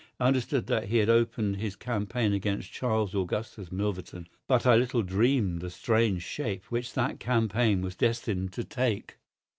I understood that he had opened his campaign against Charles Augustus Milverton; but I little dreamed the strange shape which that campaign was destined to take.